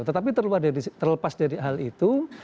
tetapi terlepas dari hal itu